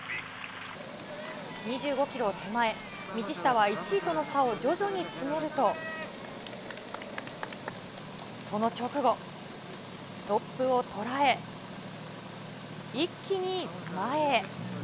２５ｋｍ手前、道下は１位との差を徐々に詰めるとその直後、トップをとらえ、一気に前へ。